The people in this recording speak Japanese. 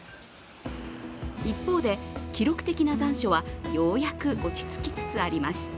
一方で記録的な残暑はようやく落ち着きつつあります。